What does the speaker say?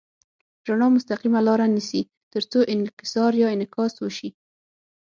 رڼا مستقیمه لاره نیسي تر څو انکسار یا انعکاس وشي.